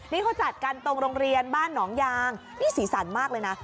นี่เขาจัดกันตรงโรงเรียนบ้านหนองยางนี่สีสันมากเลยนะ